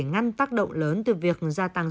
ngăn tác động lớn từ việc gia tăng